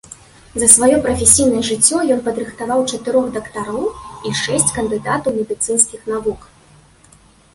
За сваё прафесійнае жыццё ён падрыхтаваў чатырох дактароў і шэсць кандыдатаў медыцынскіх навук.